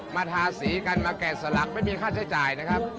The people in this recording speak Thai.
ทาสีกันมาแกะสลักไม่มีค่าใช้จ่ายนะครับ